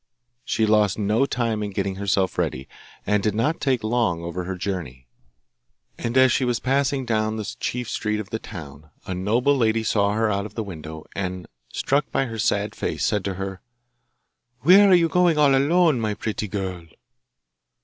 She lost no time in getting herself ready, and did not take long over her journey; and as she was passing down the chief street of the town a noble lady saw her out of the window, and, struck by her sad face, said to her: 'Where are you going all alone, my pretty girl?